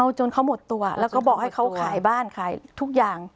จนเขาหมดตัวแล้วก็บอกให้เขาขายบ้านขายทุกอย่าง